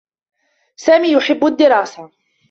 سامي يحبّ الدّراسة.